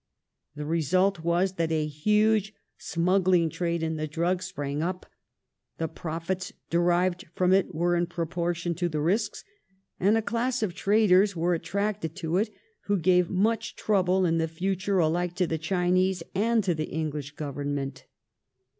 The result was that a huge smuggling trade in the drug sprang up ; the profits derived from it were in proportion to the risks, and a class of traders were attracted to it who gave much trouble in the future alike to the Chinese and to the English Government.